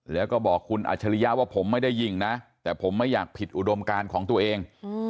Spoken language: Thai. แล้วก็บอกคุณอัจฉริยะว่าผมไม่ได้ยิงนะแต่ผมไม่อยากผิดอุดมการของตัวเอง